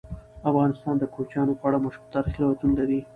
افغانستان د کوچیانو په اړه مشهور تاریخی روایتونه لري.